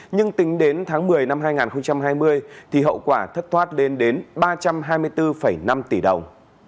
nhưng tính đến tháng một mươi năm hai nghìn hai mươi thì hậu quả thất thoát lên đến ba trăm hai mươi bốn năm tỷ đồng